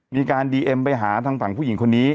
มีการดีเอ็มไปหาทางฝั่งผู้หญิงคนนี้